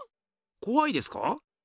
こわいですか？